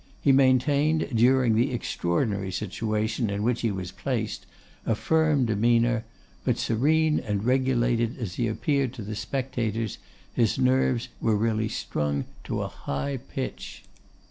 He maintained, during the extraordinary situation in which he was placed, a firm demeanour; but serene and regulated as he appeared to the spectators, his nerves were really strung to a high pitch.